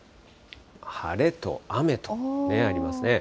晴れと雨とありますね。